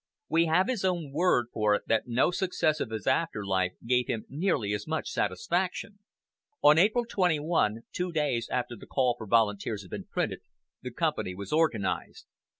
We have his own word for it that no success of his after life gave him nearly as much satisfaction. On April 21, two days after the call for volunteers had been printed, the company was organized.